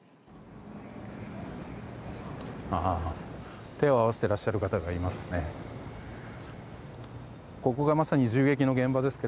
ああ、手を合わせていらっしゃる方がいますね。